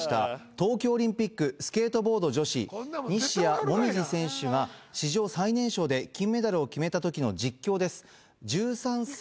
東京オリンピックスケートボード女子西矢椛選手が史上最年少で金メダルを決めた時の実況です「１３歳」